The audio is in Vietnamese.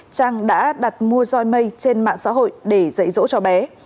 trang đã đặt mua roi mây trên mạng xã hội để dạy dỗ cho bé